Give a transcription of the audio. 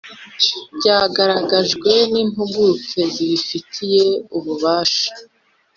byagaragajwe n impuguke zibifitiye ububasha